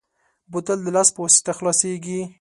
بوتل د لاس په واسطه خلاصېږي.